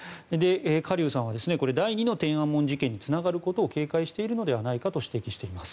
カ・リュウさんは第２の天安門事件につながることを警戒しているのではないかと指摘しています。